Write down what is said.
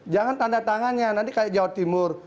jangan tanda tangannya nanti kayak jawa timur